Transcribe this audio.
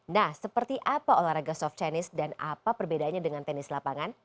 nah seperti apa olahraga soft tennis dan apa perbedaannya dengan tenis lapangan